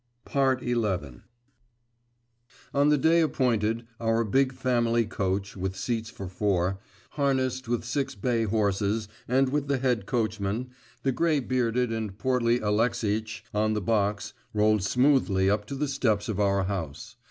XI On the day appointed, our big family coach, with seats for four, harnessed with six bay horses, and with the head coachman, the grey bearded and portly Alexeitch, on the box, rolled smoothly up to the steps of our house.